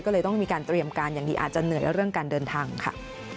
ก็เลยต้องมีการเตรียมการอย่างดีอาจจะเหนื่อยเรื่องการเดินทางค่ะ